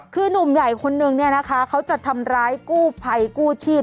คือหนุ่มใหญ่คนนึงเนี่ยนะคะเขาจะทำร้ายกู้ภัยกู้ชีพ